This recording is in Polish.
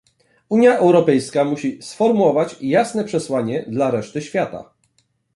Unia Europejska musi sformułować jasne przesłanie dla reszty świata